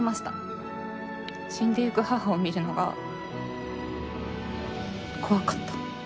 死んでゆく母を見るのが怖かった。